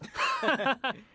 ハハハッ。